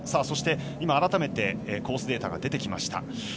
そして、改めてコースデータが出てきました。